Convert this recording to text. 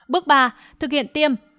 bước ba thực hiện tiêm